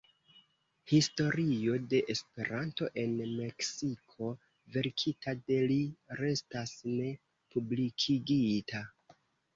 Historio de Esperanto en Meksiko, verkita de li, restas ne publikigita.